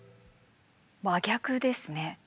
真逆ですね。